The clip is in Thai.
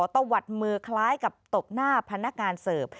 ตะวัดมือคล้ายกับตบหน้าพนักงานเสิร์ฟ